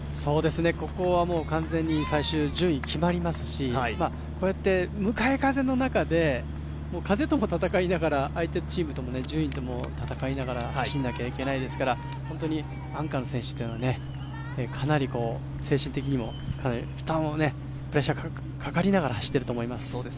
ここはもう完全に最終順位決まりますしこうやって向かい風の中で、風とも戦いながら相手チームとも、順位とも戦いながら走らなきゃいけないですから、本当にアンカーの選手はかなり精神的にも負担、プレッシャーがかかりながら走っていると思います。